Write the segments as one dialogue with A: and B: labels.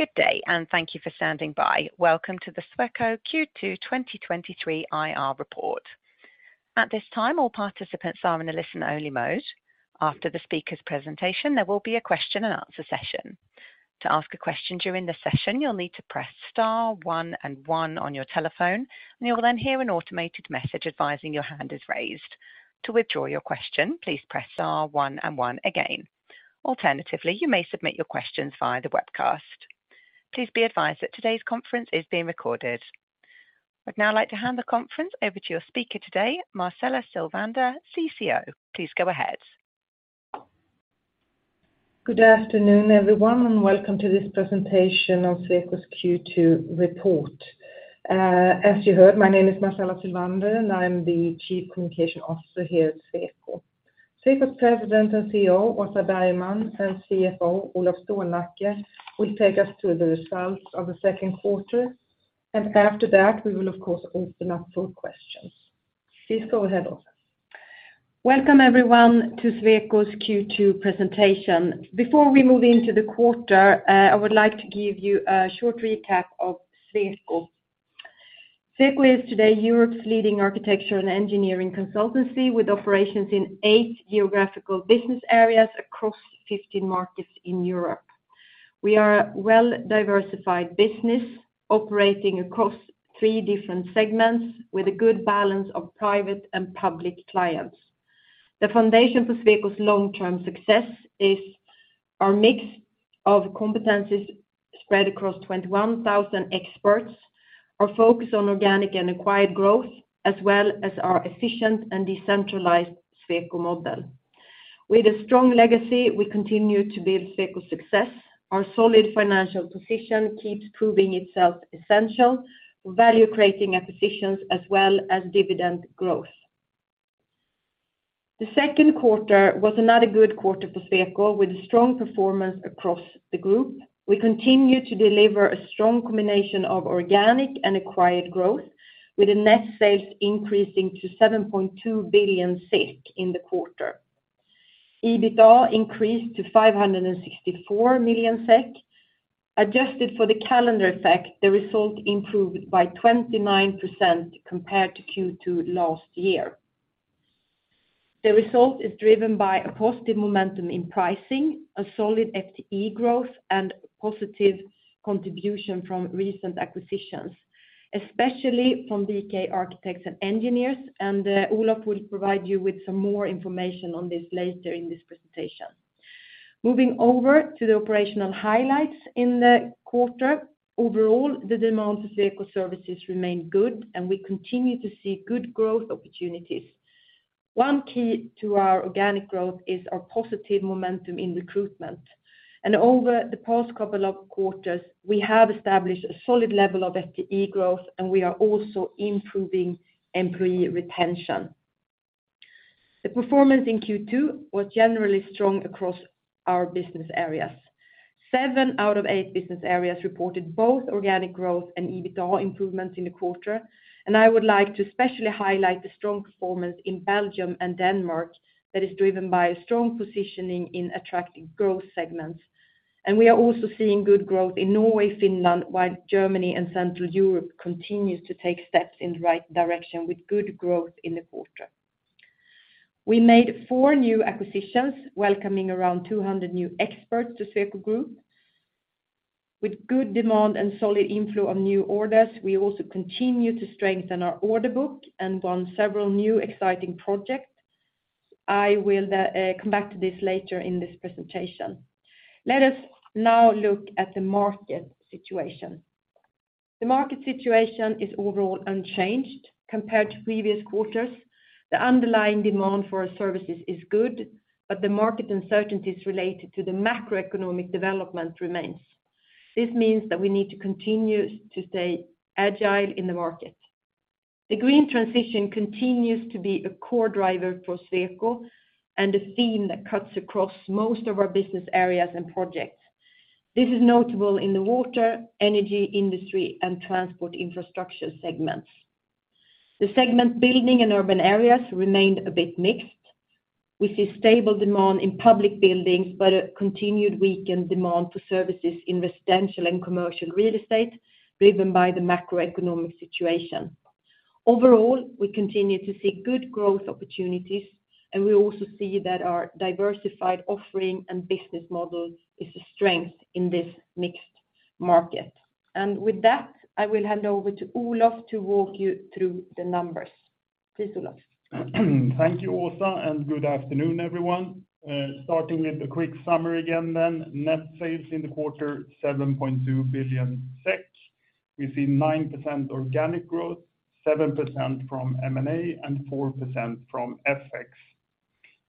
A: Good day, and thank you for standing by. Welcome to the Sweco Q2 2023 IR report. At this time, all participants are in a listen-only mode. After the speaker's presentation, there will be a question and answer session. To ask a question during the session, you'll need to press star, one, and one on your telephone, and you will then hear an automated message advising your hand is raised. To withdraw your question, please press star, one, and one again. Alternatively, you may submit your questions via the webcast. Please be advised that today's conference is being recorded. I'd now like to hand the conference over to your speaker today, Marcela Sylvander, CCO. Please go ahead.
B: Good afternoon, everyone, welcome to this presentation of Sweco's Q2 report. As you heard, my name is Marcela Sylvander, I'm the Chief Communications Officer here at Sweco. Sweco's President and CEO, Åsa Bergman, and CFO, Olof Stålnacke, will take us through the results of the second quarter. After that, we will, of course, open up for questions. Please go ahead, Åsa.
C: Welcome, everyone, to Sweco's Q2 presentation. Before we move into the quarter, I would like to give you a short recap of Sweco. Sweco is today Europe's leading architecture and engineering consultancy, with operations in eight geographical business areas across 15 markets in Europe. We are a well-diversified business operating across three different segments with a good balance of private and public clients. The foundation for Sweco's long-term success is our mix of competencies spread across 21,000 experts, our focus on organic and acquired growth, as well as our efficient and decentralized Sweco Model. With a strong legacy, we continue to build Sweco's success. Our solid financial position keeps proving itself essential, value creating acquisitions, as well as dividend growth. The second quarter was another good quarter for Sweco, with strong performance across the group. We continue to deliver a strong combination of organic and acquired growth, with the net sales increasing to 7.2 billion SEK in the quarter. EBITDA increased to 564 million SEK. Adjusted for the calendar effect, the result improved by 29% compared to Q2 last year. The result is driven by a positive momentum in pricing, a solid FTE growth, and positive contribution from recent acquisitions, especially from VK architects+engineers, and Olof Stålnacke will provide you with some more information on this later in this presentation. Moving over to the operational highlights in the quarter. Overall, the demand for Sweco services remained good, and we continue to see good growth opportunities. One key to our organic growth is our positive momentum in recruitment. Over the past couple of quarters, we have established a solid level of FTE growth. We are also improving employee retention. The performance in Q2 was generally strong across our business areas. Seven out of eight business areas reported both organic growth and EBITDA improvements in the quarter. I would like to especially highlight the strong performance in Belgium and Denmark that is driven by a strong positioning in attracting growth segments. We are also seeing good growth in Norway, Finland, while Germany and Central Europe continues to take steps in the right direction with good growth in the quarter. We made four new acquisitions, welcoming around 200 new experts to Sweco Group. With good demand and solid inflow of new orders, we also continue to strengthen our order book and won several new exciting projects. I will come back to this later in this presentation. Let us now look at the market situation. The market situation is overall unchanged compared to previous quarters. The underlying demand for our services is good, but the market uncertainties related to the macroeconomic development remains. This means that we need to continue to stay agile in the market. The green transition continues to be a core driver for Sweco and a theme that cuts across most of our business areas and projects. This is notable in the water, energy, industry, and transport infrastructure segments. The segment building and urban areas remained a bit mixed, with a stable demand in public buildings, but a continued weakened demand for services in residential and commercial real estate, driven by the macroeconomic situation. Overall, we continue to see good growth opportunities, and we also see that our diversified offering and business models is a strength in this mixed market. With that, I will hand over to Olof to walk you through the numbers. Please, Olof.
D: Thank you, Åsa. Good afternoon, everyone. Starting with a quick summary again, then. Net sales in the quarter, 7.2 billion SEK. We see 9% organic growth, 7% from M&A, and 4% from FX.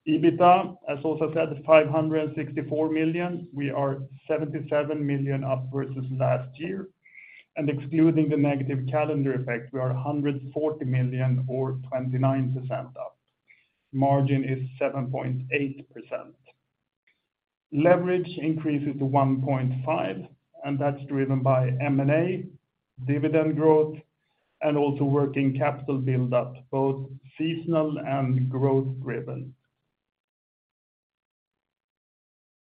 D: EBITDA, as Åsa said, is 564 million. We are 77 million up versus last year, and excluding the negative calendar effect, we are 140 million or 29% up. Margin is 7.8%. Leverage increases to 1.5, and that's driven by M&A, dividend growth, and also working capital build-up, both seasonal and growth driven.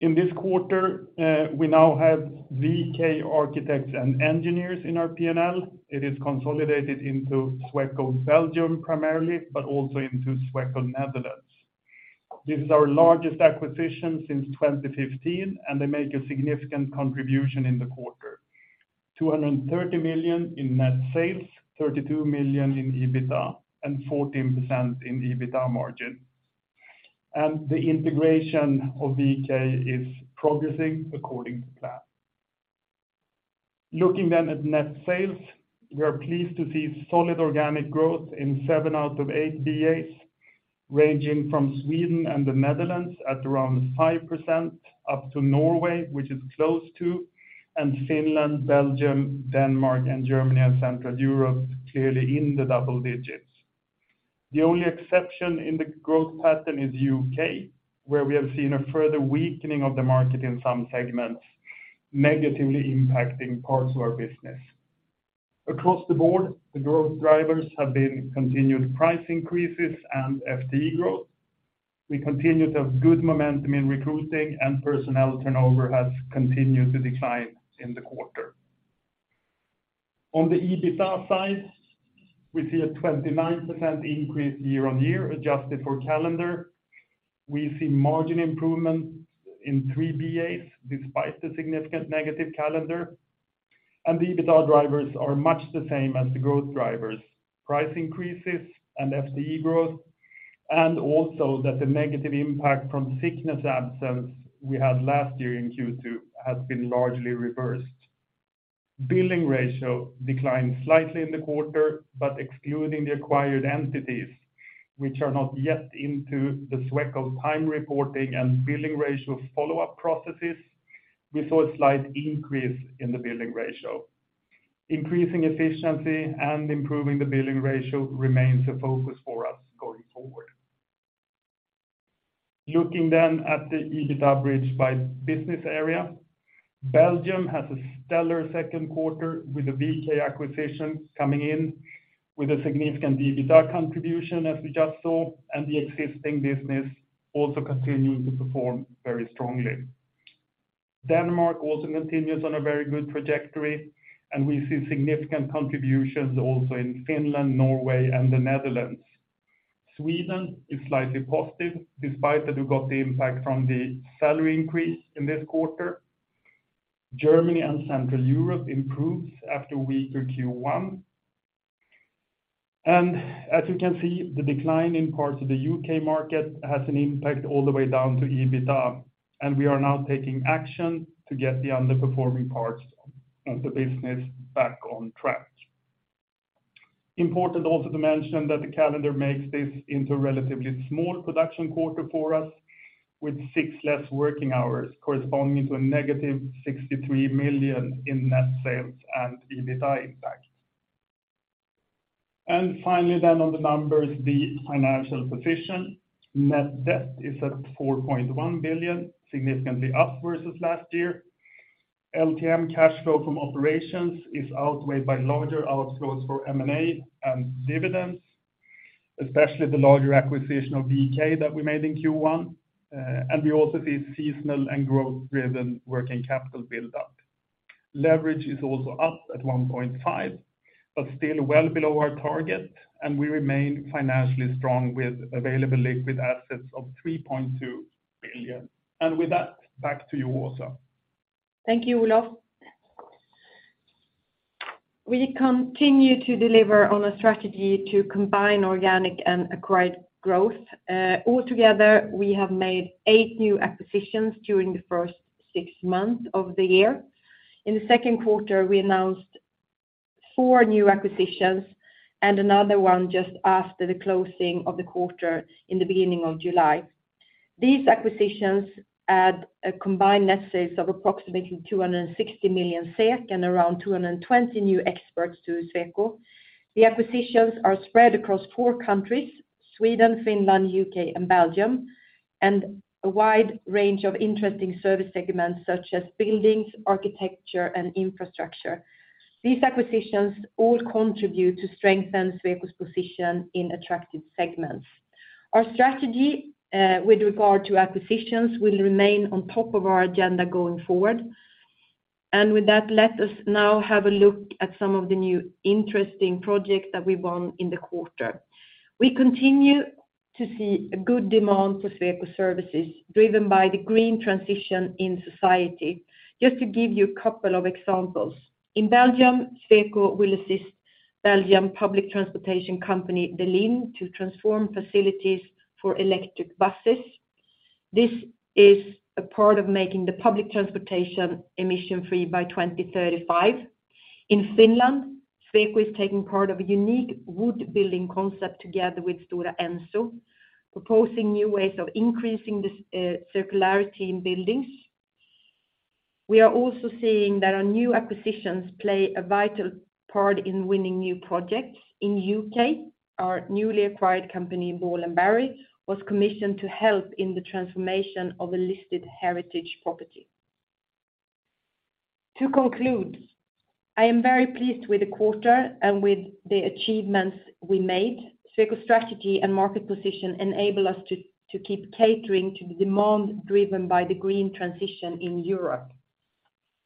D: In this quarter, we now have VK architects+engineers in our P&L. It is consolidated into Sweco Belgium, primarily, but also into Sweco Netherlands. This is our largest acquisition since 2015, and they make a significant contribution in the quarter. 230 million in net sales, 32 million in EBITDA, and 14% in EBITDA margin. The integration of VK is progressing according to plan. Looking then at net sales, we are pleased to see solid organic growth in seven out of eight BAs, ranging from Sweden and the Netherlands at around 5%, up to Norway, which is close to, and Finland, Belgium, Denmark, and Germany, and Central Europe, clearly in the double digits. The only exception in the growth pattern is U.K., where we have seen a further weakening of the market in some segments, negatively impacting parts of our business. Across the board, the growth drivers have been continued price increases and FTE growth. We continue to have good momentum in recruiting, and personnel turnover has continued to decline in the quarter. On the EBITDA side, we see a 29% increase year-on-year, adjusted for calendar. We see margin improvement in three BAs, despite the significant negative calendar, and the EBITDA drivers are much the same as the growth drivers: price increases and FTE growth, and also that the negative impact from sickness absence we had last year in Q2 has been largely reversed. Billing ratio declined slightly in the quarter, but excluding the acquired entities, which are not yet into the Sweco time reporting and billing ratio follow-up processes, we saw a slight increase in the billing ratio. Increasing efficiency and improving the billing ratio remains a focus for us going forward. Looking at the EBITDA bridge by business area, Belgium has a stellar second quarter, with a VK acquisition coming in, with a significant EBITDA contribution, as we just saw, and the existing business also continuing to perform very strongly. Denmark also continues on a very good trajectory. We see significant contributions also in Finland, Norway, and the Netherlands. Sweden is slightly positive, despite that we got the impact from the salary increase in this quarter. Germany and Central Europe improves after weaker Q1. As you can see, the decline in parts of the U.K. market has an impact all the way down to EBITDA. We are now taking action to get the underperforming parts of the business back on track. Important also to mention that the calendar makes this into a relatively small production quarter for us, with six less working hours, corresponding to a negative 63 million in net sales and EBITDA impact. Finally, then on the numbers, the financial position. Net debt is at 4.1 billion, significantly up versus last year. LTM cash flow from operations is outweighed by larger outflows for M&A and dividends, especially the larger acquisition of VK that we made in Q1, and we also see seasonal and growth-driven working capital build-up. Leverage is also up at 1.5, but still well below our target, and we remain financially strong with available liquid assets of 3.2 billion. With that, back to you, Åsa.
C: Thank you, Olof. We continue to deliver on a strategy to combine organic and acquired growth. Altogether, we have made eight new acquisitions during the first six months of the year. In the second quarter, we announced four new acquisitions, and another one just after the closing of the quarter in the beginning of July. These acquisitions add a combined net sales of approximately 260 million SEK and around 220 new experts to Sweco. The acquisitions are spread across four countries, Sweden, Finland, UK, and Belgium, and a wide range of interesting service segments such as buildings, architecture, and infrastructure. These acquisitions all contribute to strengthen Sweco's position in attractive segments. Our strategy with regard to acquisitions will remain on top of our agenda going forward. Let us now have a look at some of the new interesting projects that we won in the quarter. We continue to see a good demand for Sweco services, driven by the green transition in society. Just to give you a couple of examples: In Belgium, Sweco will assist Belgian public transportation company, De Lijn, to transform facilities for electric buses. This is a part of making the public transportation emission-free by 2035. In Finland, Sweco is taking part of a unique wood building concept together with Stora Enso, proposing new ways of increasing the circularity in buildings. We are also seeing that our new acquisitions play a vital part in winning new projects. In U.K., our newly acquired company, Ball Berry, was commissioned to help in the transformation of a listed heritage property. To conclude, I am very pleased with the quarter and with the achievements we made. Sweco strategy and market position enable us to keep catering to the demand driven by the green transition in Europe.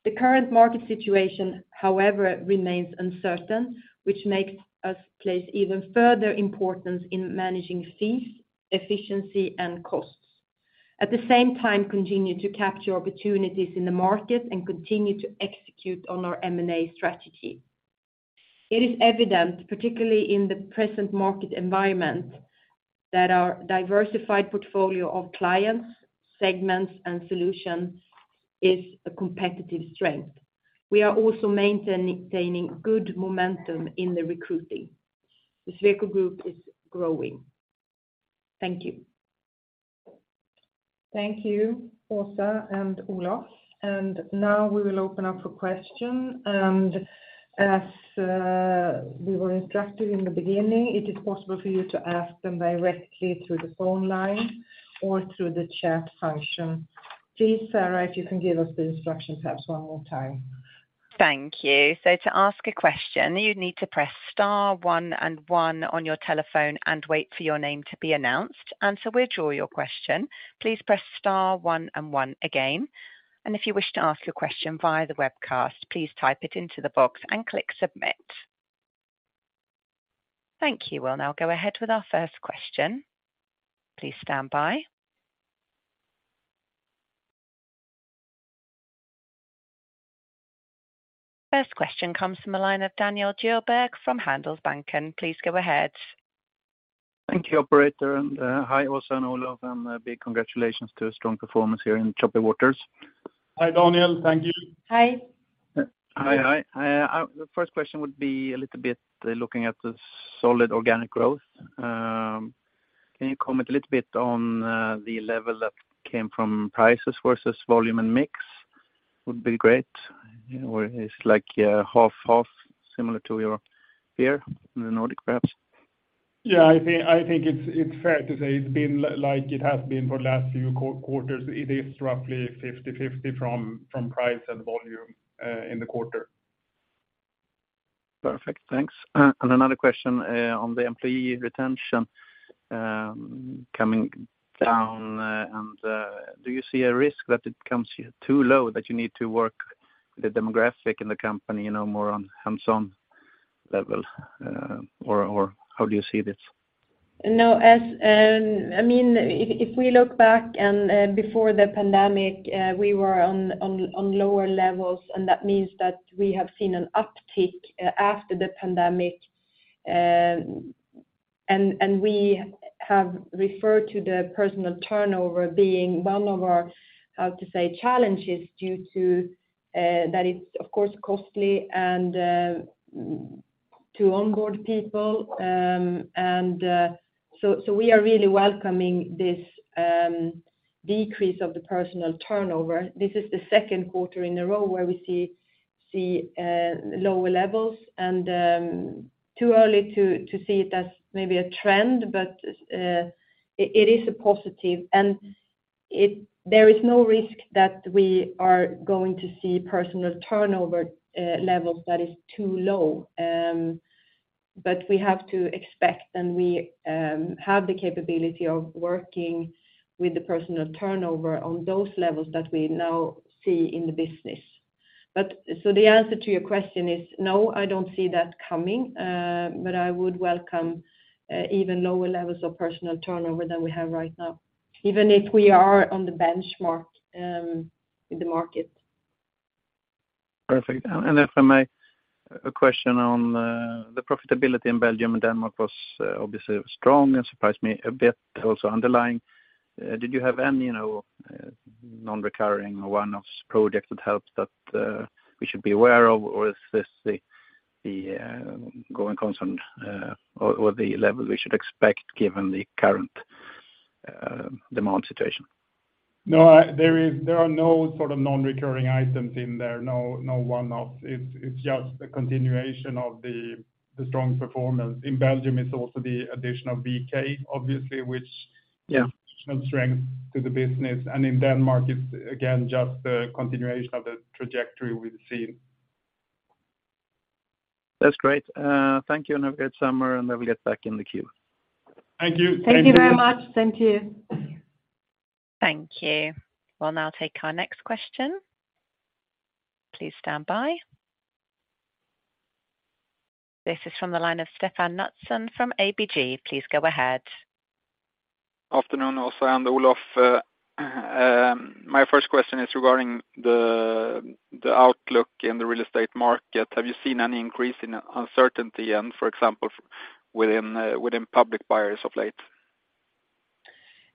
C: The current market situation, however, remains uncertain, which makes us place even further importance in managing fees, efficiency, and costs. At the same time, continue to capture opportunities in the market and continue to execute on our M&A strategy. It is evident, particularly in the present market environment, that our diversified portfolio of clients, segments, and solutions is a competitive strength. We are also gaining good momentum in the recruiting. The Sweco Group is growing. Thank you.
B: Thank you, Åsa and Olof, now we will open up for question. As we were instructed in the beginning, it is possible for you to ask them directly through the phone line or through the chat function. Please, Sarah, if you can give us the instructions perhaps one more time.
A: Thank you. To ask a question, you need to press star one and one on your telephone and wait for your name to be announced. To withdraw your question, please press star one and one again, and if you wish to ask your question via the webcast, please type it into the box and click submit. Thank you. We'll now go ahead with our first question. Please stand by. First question comes from the line of Daniel Djurberg from Handelsbanken. Please go ahead.
E: Thank you, operator, and, hi, Åsa and Olof, and a big congratulations to a strong performance here in choppy waters.
D: Hi, Daniel. Thank you.
C: Hi.
E: Hi, hi. The first question would be a little bit looking at the solid organic growth. Can you comment a little bit on the level that came from prices versus volume and mix? Would be great. You know, it's like half half, similar to your beer in the Nordic perhaps.
D: I think it's fair to say it's been like it has been for the last few quarters. It is roughly 50/50 from price and volume in the quarter.
E: Perfect. Thanks. Another question on the employee retention coming down, and do you see a risk that it comes too low, that you need to work the demographic in the company, you know, more on hands-on level? How do you see this?
C: No, I mean, if we look back and before the pandemic, we were on lower levels, and that means that we have seen an uptick after the pandemic. We have referred to the personal turnover being one of our, how to say, challenges due to that it's of course, costly and to onboard people. So we are really welcoming this decrease of the personal turnover. This is the second quarter in a row where we see lower levels and too early to see it as maybe a trend, but it is a positive. There is no risk that we are going to see personal turnover levels that is too low. We have to expect, and we, have the capability of working with the personal turnover on those levels that we now see in the business. The answer to your question is, no, I don't see that coming, but I would welcome, even lower levels of personal turnover than we have right now, even if we are on the benchmark, in the market.
E: Perfect. If I may, a question on, the profitability in Belgium and Denmark was, obviously strong and surprised me a bit, also underlying. Did you have any, you know, non-recurring or one-offs projects that helped, that, we should be aware of, or is this the going concern, or the level we should expect given the current demand situation?
D: No, there are no sort of non-recurring items in there, no one-off. It's just a continuation of the strong performance. In Belgium, it's also the addition of VK, obviously.
E: Yeah
D: adds strength to the business, and in Denmark, it's again, just the continuation of the trajectory we've seen.
E: That's great. Thank you, and have a good summer, and I will get back in the queue.
D: Thank you.
C: Thank you very much. Thank you.
A: Thank you. We'll now take our next question. Please stand by. This is from the line of Stefan Knutsson from ABG. Please go ahead.
F: Afternoon, Åsa and Olof. My first question is regarding the outlook in the real estate market. Have you seen any increase in uncertainty and, for example, within public buyers of late?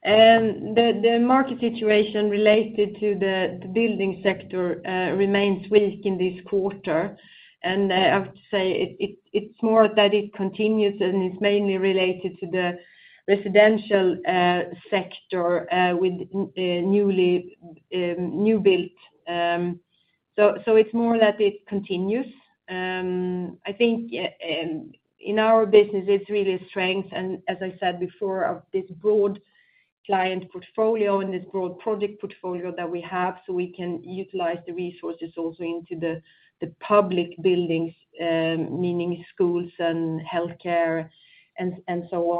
C: The market situation related to the building sector remains weak in this quarter. I would say it's more that it continues, and it's mainly related to the residential sector with newly new build. It's more that it continues. I think, yeah, in our business, it's really a strength, and as I said before, of this broad client portfolio and this growth project portfolio that we have, so we can utilize the resources also into the public buildings, meaning schools and healthcare, and so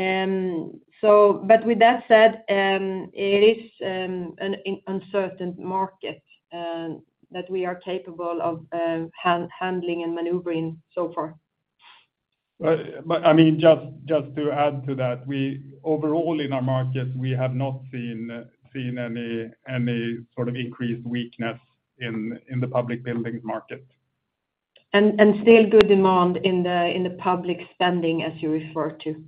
C: on. But with that said, it is an uncertain market that we are capable of handling and maneuvering so far.
D: I mean, just to add to that, we overall in our market, we have not seen any sort of increased weakness in the public building market.
C: Still good demand in the public spending, as you refer to.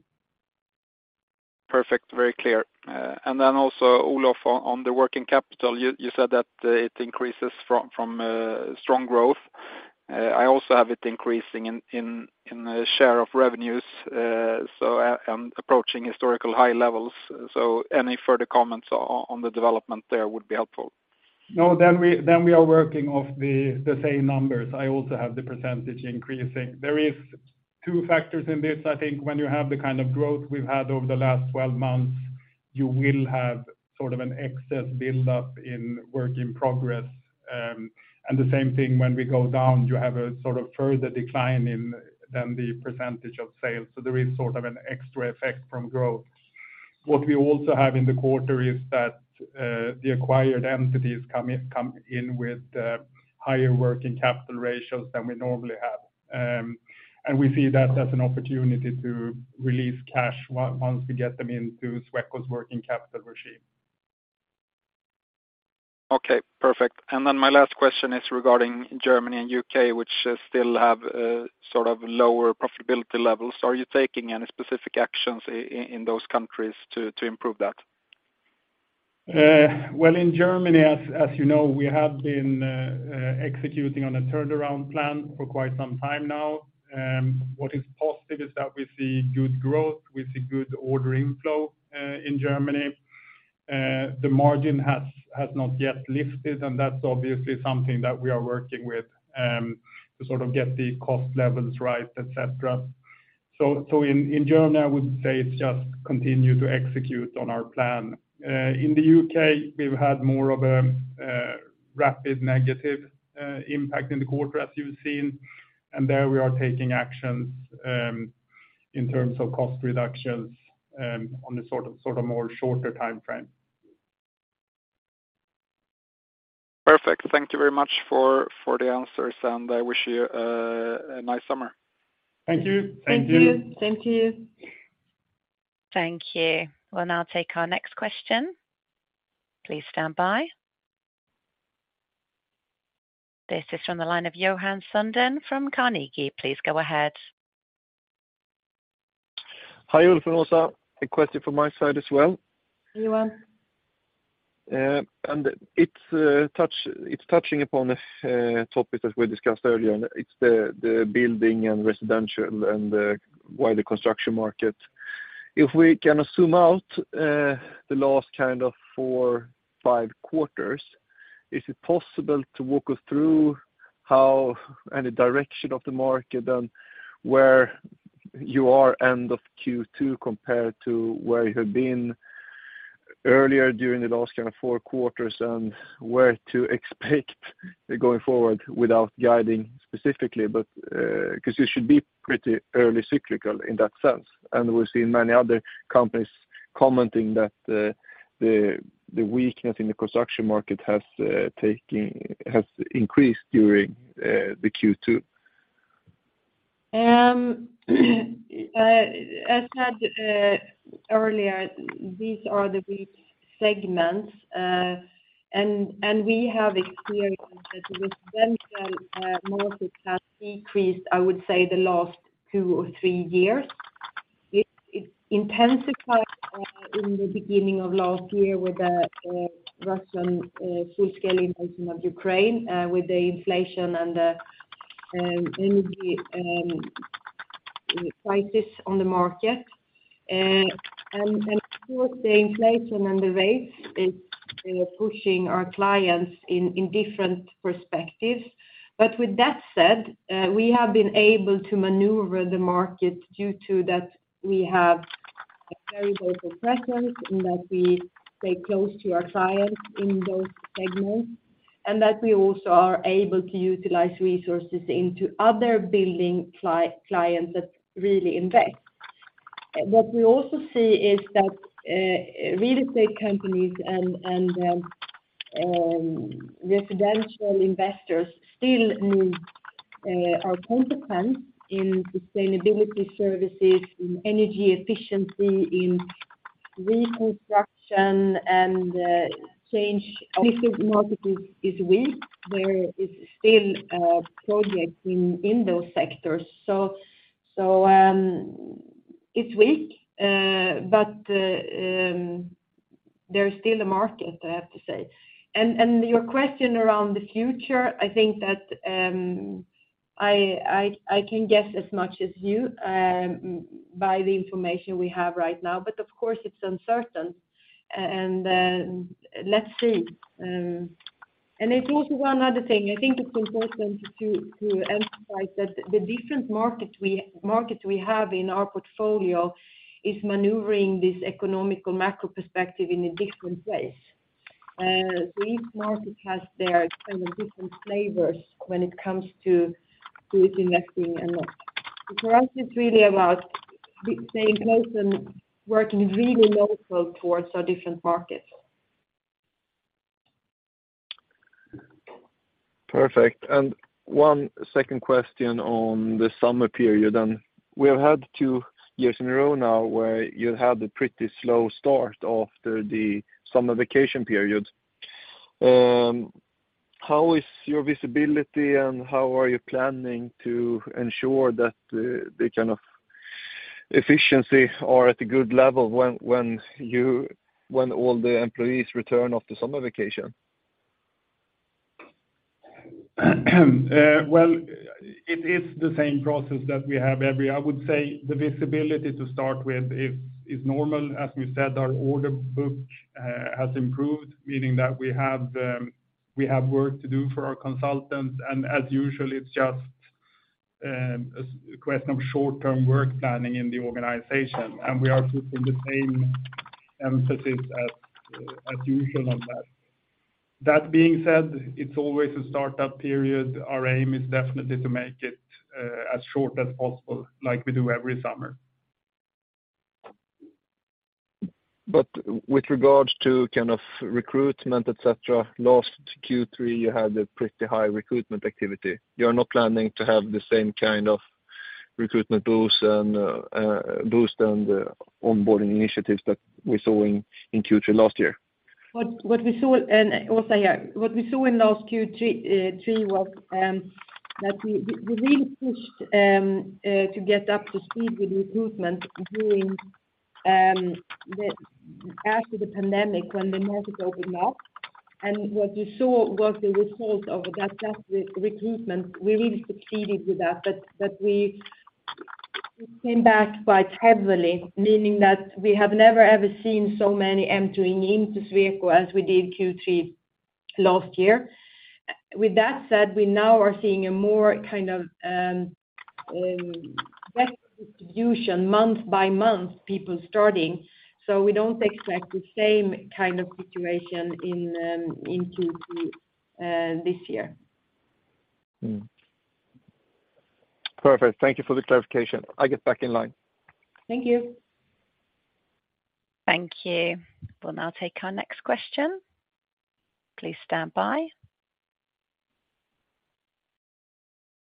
F: Perfect. Very clear. Then also, Olof, on the working capital, you said that it increases from strong growth. I also have it increasing in the share of revenues and approaching historical high levels. Any further comments on the development there would be helpful.
D: No, then we are working off the same numbers. I also have the % increasing. There is two factors in this. I think when you have the kind of growth we've had over the last 12 months, you will have sort of an excess build up in work in progress. The same thing when we go down, you have a sort of further decline in than the % of sales, so there is sort of an extra effect from growth. What we also have in the quarter is that, the acquired entities come in with higher working capital ratios than we normally have. We see that as an opportunity to release cash once we get them into Sweco's working capital regime.
F: Okay, perfect. My last question is regarding Germany and UK, which still have sort of lower profitability levels. Are you taking any specific actions in those countries to improve that?
D: Well, in Germany, as you know, we have been executing on a turnaround plan for quite some time now. What is positive is that we see good growth, we see good ordering flow, in Germany. The margin has not yet lifted. That's obviously something that we are working with to sort of get the cost levels right, et cetera. In Germany, I would say it's just continue to execute on our plan. In the UK, we've had more of a rapid negative impact in the quarter, as you've seen. There we are taking actions in terms of cost reductions on the sort of more shorter timeframe.
F: Perfect. Thank you very much for the answers. I wish you a nice summer.
D: Thank you.
F: Thank you.
C: Thank you.
A: Thank you. We'll now take our next question. Please stand by. This is from the line of Johan Sundén from Carnegie. Please go ahead.
G: Hi, Olof and Åsa. A question from my side as well.
C: Hi, Johan.
G: It's touching upon a topic that we discussed earlier, and it's the building and residential and wider construction market. If we can zoom out, the last kind of four, five quarters, is it possible to walk us through how any direction of the market and where you are end of Q2 compared to where you had been earlier during the last kind of four quarters, and where to expect going forward without guiding specifically, but because you should be pretty early cyclical in that sense? We've seen many other companies commenting that the weakness in the construction market has increased during the Q2.
C: As said earlier, these are the weak segments, and we have experienced that the residential market has decreased, I would say, the last two or three years. It intensified in the beginning of last year with the Russian full-scale invasion of Ukraine, with the inflation and the energy crisis on the market. Of course, the inflation and the rates is pushing our clients in different perspectives. With that said, we have been able to maneuver the market due to that we have a very local presence, in that we stay close to our clients in those segments, and that we also are able to utilize resources into other building clients that really invest. What we also see is that real estate companies and residential investors still are competent in sustainability services, in energy efficiency, in reconstruction and this market is weak, there is still projects in those sectors. It's weak, but there's still a market, I have to say. Your question around the future, I think that I can guess as much as you by the information we have right now, but of course it's uncertain. Let's see. There's also one other thing. I think it's important to emphasize that the different markets we have in our portfolio is maneuvering this economical macro perspective in a different place. Each market has their kind of different flavors when it comes to investing and not. For us, it's really about staying close and working really local towards our different markets.
G: Perfect. One second question on the summer period. We have had two years in a row now where you had a pretty slow start after the summer vacation period. How is your visibility and how are you planning to ensure that the kind of efficiency are at a good level when all the employees return after summer vacation?
D: Well, it is the same process that we have. I would say the visibility to start with is normal. As we said, our order book has improved, meaning that we have the, we have work to do for our consultants. As usually, it's just a question of short-term work planning in the organization. We are putting the same emphasis as usual on that. That being said, it's always a startup period. Our aim is definitely to make it as short as possible, like we do every summer.
G: With regards to kind of recruitment, et cetera, last Q3, you had a pretty high recruitment activity. You are not planning to have the same kind of recruitment boost and onboarding initiatives that we saw in Q3 last year?
C: What we saw and also what we saw in last Q3 was that we really pushed to get up to speed with recruitment after the pandemic, when the market opened up. What you saw was the result of that recruitment. We really succeeded with that, but we came back quite heavily, meaning that we have never, ever seen so many entering into Sweco as we did Q3 last year. With that said, we now are seeing a more kind of better distribution month by month, people starting. We don't expect the same kind of situation in Q3 this year.
G: Perfect. Thank you for the clarification. I get back in line.
C: Thank you.
A: Thank you. We'll now take our next question. Please stand by.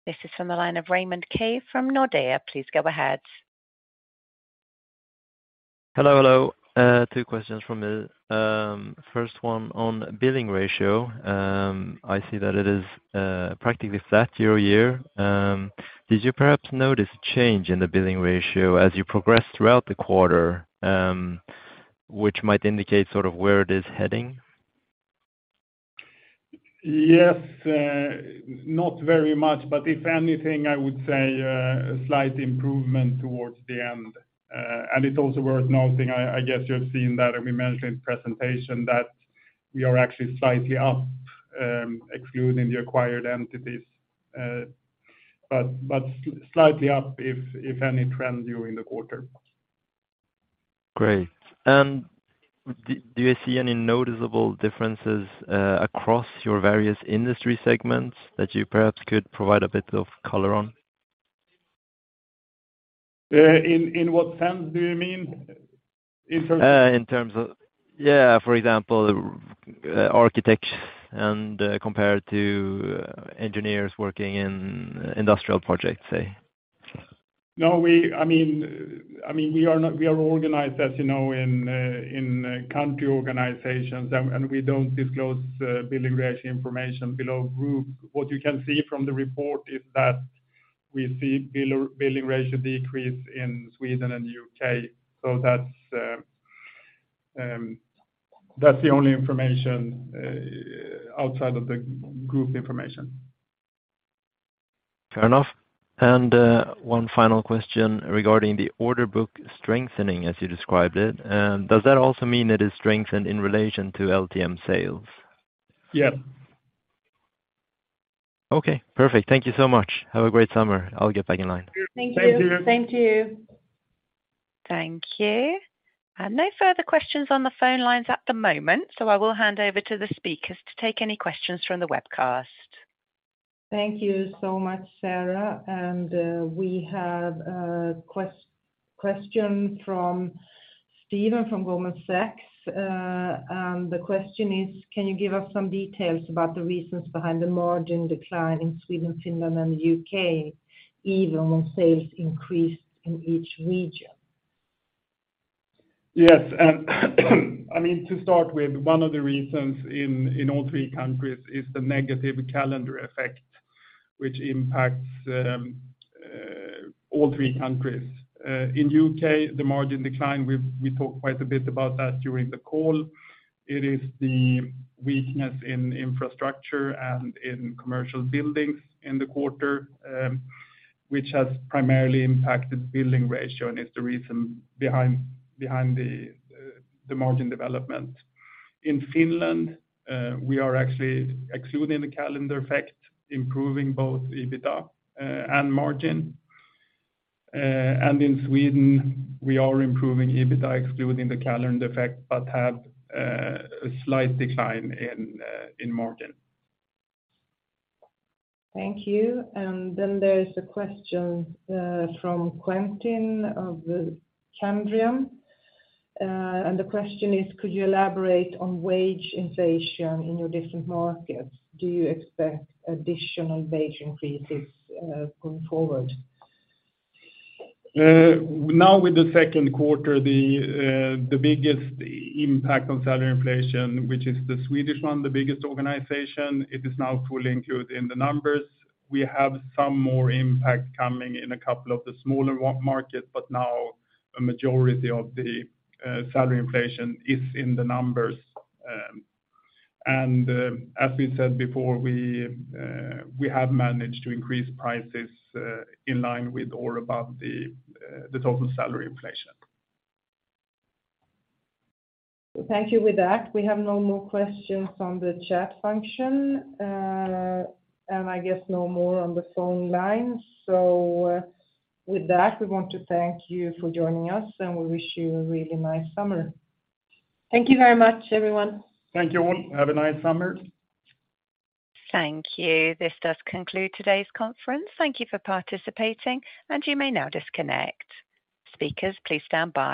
A: This is from the line of Raymond Ke from Nordea. Please go ahead.
H: Hello, hello. Two questions from me. First one on billing ratio. I see that it is practically flat year-over-year. Did you perhaps notice a change in the billing ratio as you progressed throughout the quarter, which might indicate sort of where it is heading?
D: Yes, not very much, but if anything, I would say, a slight improvement towards the end. It's also worth noting, I guess you've seen that, and we mentioned in presentation, that we are actually slightly up, excluding the acquired entities. But slightly up, if any trend during the quarter.
H: Great. Do you see any noticeable differences across your various industry segments that you perhaps could provide a bit of color on?
D: In what sense do you mean? In terms of.
H: In terms of, yeah, for example, architects and, compared to, engineers working in industrial projects, say.
D: No, I mean, we are organized, as you know, in country organizations, and we don't disclose billing ratio information below group. What you can see from the report is that we see billing ratio decrease in Sweden and UK. That's the only information outside of the group information.
H: Fair enough. One final question regarding the order book strengthening, as you described it. Does that also mean it is strengthened in relation to LTM sales?
D: Yeah.
H: Okay, perfect. Thank you so much. Have a great summer. I'll get back in line.
C: Thank you.
D: Thank you.
H: Same to you.
A: Thank you. No further questions on the phone lines at the moment, so I will hand over to the speakers to take any questions from the webcast.
B: Thank you so much, Sarah. We have a question from Steven, from Goldman Sachs. The question is: Can you give us some details about the reasons behind the margin decline in Sweden, Finland, and the UK, even when sales increased in each region?
D: I mean, to start with, one of the reasons in all three countries is the negative calendar effect, which impacts all three countries. In U.K., the margin decline, we've talked quite a bit about that during the call. It is the weakness in infrastructure and in commercial buildings in the quarter, which has primarily impacted billing ratio and is the reason behind the margin development. In Finland, we are actually excluding the calendar effect, improving both EBITDA and margin. In Sweden, we are improving EBITDA, excluding the calendar effect, but have a slight decline in margin.
B: Thank you. There is a question from Quentin of Kepler Cheuvreux. The question is: Could you elaborate on wage inflation in your different markets? Do you expect additional wage increases going forward?
D: Now with the second quarter, the biggest impact of salary inflation, which is the Swedish one, the biggest organization, it is now fully included in the numbers. We have some more impact coming in a couple of the smaller one market, but now a majority of the salary inflation is in the numbers. And as we said before, we have managed to increase prices in line with or above the total salary inflation.
B: Thank you. With that, we have no more questions on the chat function, and I guess no more on the phone lines. With that, we want to thank you for joining us, and we wish you a really nice summer.
C: Thank you very much, everyone.
D: Thank you all. Have a nice summer.
A: Thank you. This does conclude today's conference. Thank you for participating, and you may now disconnect. Speakers, please stand by.